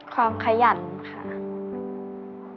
ความขยันค่ะ